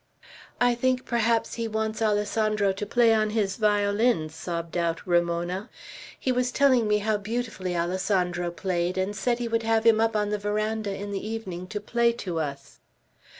"I think perhaps he wants Alessandro to play on his violin," sobbed out Ramona. "He was telling me how beautifully Alessandro played, and said he would have him up on the veranda in the evening to play to us."